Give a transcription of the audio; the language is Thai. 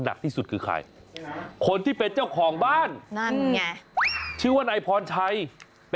หรือบรากรชุ่มเฉิน